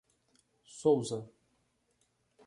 Sousa